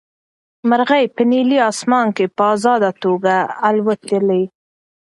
مرغۍ په نیلي اسمان کې په ازاده توګه الوتلې.